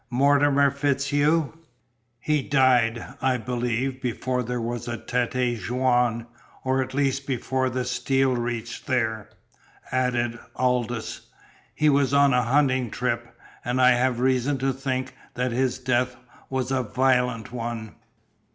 "Mortimer FitzHugh " "He died, I believe, before there was a Tête Jaune, or at least before the steel reached there," added Aldous. "He was on a hunting trip, and I have reason to think that his death was a violent one."